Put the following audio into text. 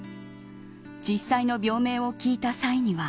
実際の病名を聞いた際には。